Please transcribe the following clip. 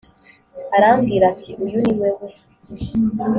arambwira ati uyu ni we we